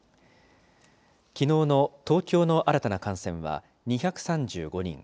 きのうの東京の新たな感染は２３５人。